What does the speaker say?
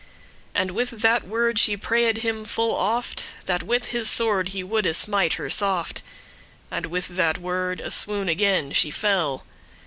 And with that word she prayed him full oft That with his sword he woulde smite her soft; And with that word, a swoon again she fell.